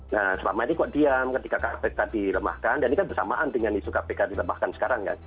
nah selama ini kok diam ketika kpk dilemahkan dan ini kan bersamaan dengan isu kpk dilemahkan sekarang kan